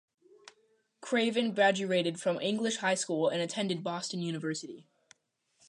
Craven graduated from English High School and attended Boston University.